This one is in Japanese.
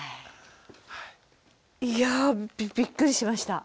いやびっくりしました。